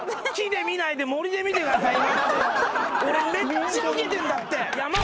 俺めっちゃ受けてんだって。